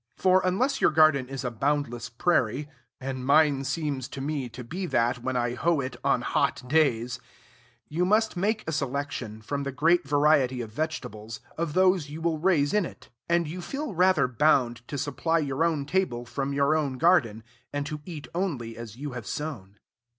For, unless your garden is a boundless prairie (and mine seems to me to be that when I hoe it on hot days), you must make a selection, from the great variety of vegetables, of those you will raise in it; and you feel rather bound to supply your own table from your own garden, and to eat only as you have sown.